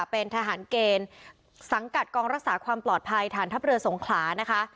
เป็นทหารเกณฑ์สังกัดกองรักษาความปลอดภัยฐานทัพเรือสงขลานะคะ